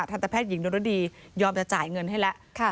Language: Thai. ทันตแพทย์หญิงดนรดียอมจะจ่ายเงินให้แล้ว